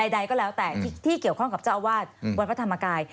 ใดก็แล้วแต่ที่เกี่ยวข้องกับเจ้าอาวาสวัดพระธรรมกาย